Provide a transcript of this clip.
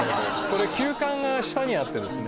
これ旧館が下にあってですね